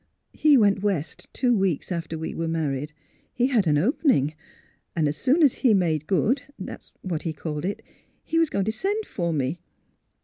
He went West two weeks after we were married. He had an opening. And as soon as he ' made good '— that's what he called it — he was going to send for me.